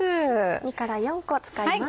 ２から４個使います。